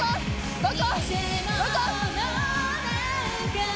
どこ？